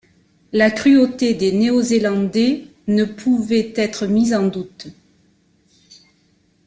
La cruauté des Néo-Zélandais ne pouvait être mise en doute.